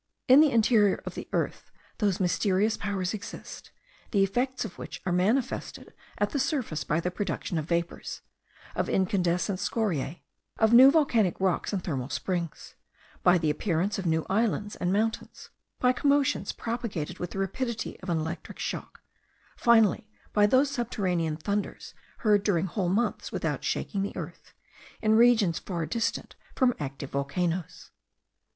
In the interior of the earth those mysterious powers exist, the effects of which are manifested at the surface by the production of vapours, of incandescent scoriae, of new volcanic rocks and thermal springs, by the appearance of new islands and mountains, by commotions propagated with the rapidity of an electric shock, finally by those subterranean thunders,* heard during whole months, without shaking the earth, in regions far distant from active volcanoes.